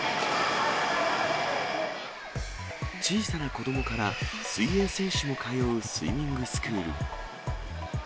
小さな子どもから水泳選手も通うスイミングスクール。